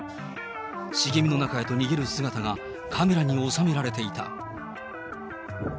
茂みの中へと逃げる姿がカメラに収められていた。